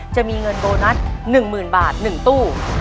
จะมีเงินโบนัส๑๐๐๐บาท๑ตู้